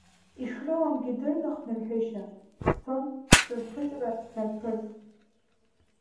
Ишрымамгьы дырны хнырҳәышьа, сцон сшырԥырҵра снарԥырҵ.